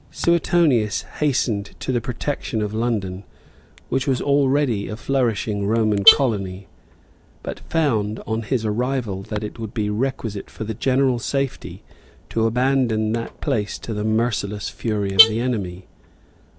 Suetonius hastened to the protection of London, which was already a flourishing Roman colony; but found, on his arrival, that it would be requisite for the general safety, to abandon that place to the merciless fury of the enemy.